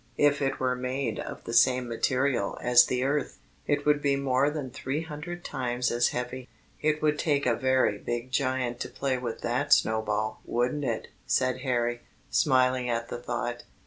If it were made of the same material as the earth, it would be more than three hundred times as heavy." "It would take a very big giant to play with that snowball, wouldn't it?" said Harry, smiling at the thought.